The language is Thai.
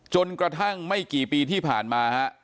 จนกระทั่งไม่กี่ปีที่ผ่านมาฮะ